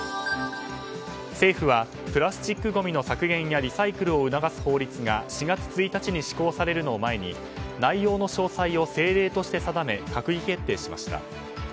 政府はプラスチックごみの削減やリサイクルを促す法律が４月１日に施行されるのを前に内容の詳細を政令として定め閣議決定しました。